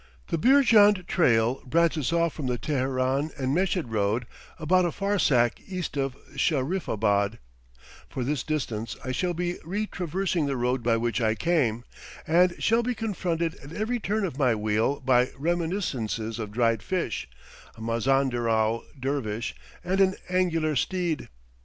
The Beerjand trail branches off from the Teheran and Meshed road about a farsakh east of Shahriffabad; for this distance I shall be retraversing the road by which I came, and shall be confronted at every turn of my wheel by reminiscences of dried fish, a Mazanderau dervish, and an angular steed.